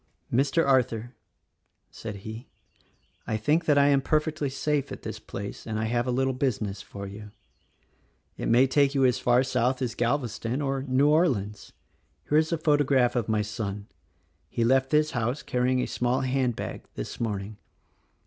"Mr. Arthur," said he, "I think that I am perfectly safe at this place, and I have a little business for you. It may take you as far south as Galveston or New Orleans. Here is a photograph of my son. He left this house carry ing a small hand bag, this morning.